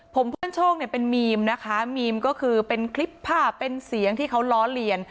ผมเพื่อนโชคเนี่ยเป็นมีมนะคะมีมก็คือเป็นคลิปภาพเป็นเสียงที่เขาล้อเลียน